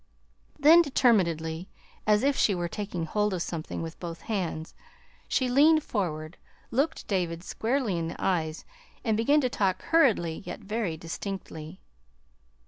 Then determinedly, as if she were taking hold of something with both hands, she leaned forward, looked David squarely in the eyes, and began to talk hurriedly, yet very distinctly.